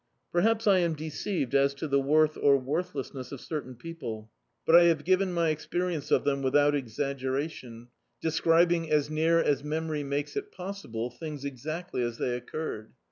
Perhaps I am deceived as to the worth or worth lessness of certain people, but I have ^ven my experience of them without exaggeration, describing [3441 Dictzed by Google A House to Let as near as memory makes it possible, things exactly as they occurred.